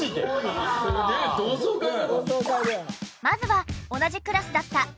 まずは同じクラスだった。